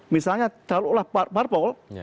misalnya calon olah parpol